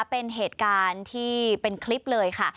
เป็นเหตุการณ์ที่เป็นคลิปเลยค่ะ